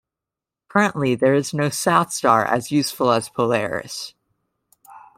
Currently, there is no South Star as useful as Polaris.